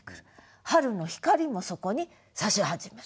春の光もそこにさし始める。